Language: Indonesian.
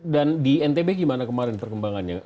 dan di ntb gimana kemarin perkembangannya